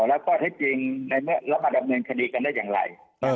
แล้วป้อเทศจริงแล้วมาดำเนินคดีกันได้อย่างไร